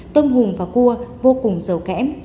tôm hùng và cua vô cùng dầu kẽm